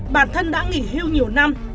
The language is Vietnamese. bản thân đã nghỉ hưu nhiều năm